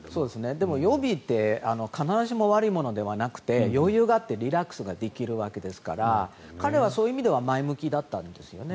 でも予備って必ずしも悪いものではなくて余裕があってリラックスできるわけですから彼はそういう意味では前向きだったんですよね。